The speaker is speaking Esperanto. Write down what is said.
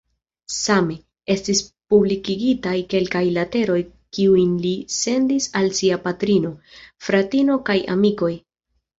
Same, estis publikigitaj kelkaj leteroj kiujn li sendis al sia patrino, fratinoj kaj amikoj.